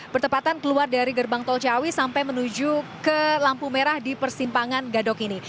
bertepatan keluar dari gerbang tol ciawi sampai menuju ke lampu merah di persimpangan gadok ini